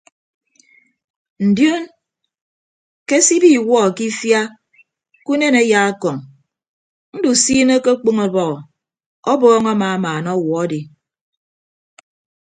Ndion ke se ibi iwuọ ke ifia ke unen ayaakọñ ndusiiñe akekpon ọbọhọ ọbọọñ amamaana ọwuọ adi.